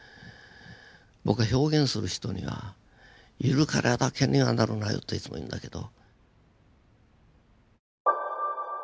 僕は表現する人には「ゆるキャラだけにはなるなよ」っていつも言うんだけど。